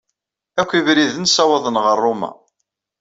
Akk ibriden ssawaḍen ɣer Ṛuma.